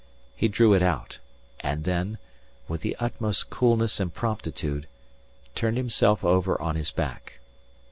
He drew it out, and then, with the utmost coolness and promptitude, turned himself over on his back.